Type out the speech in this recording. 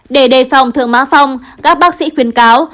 để đề phòng thượng má phong các bác sĩ khuyến cáo